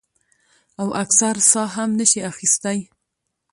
او اکثر ساه هم نشي اخستے ـ